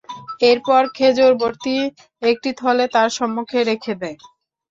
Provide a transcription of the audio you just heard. এরপর খেজুর ভর্তি একটি থলে তার সম্মুখে রেখে দেয়।